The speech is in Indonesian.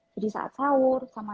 jadi saat sahur sama